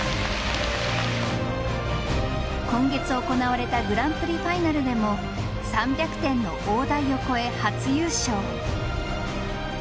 今月行われたグランプリファイナルでも３００点の大台を超え初優勝。